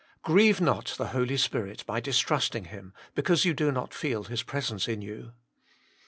Grieve not the Holy Spirit by distrusting Him, because you do not feel His presence in you.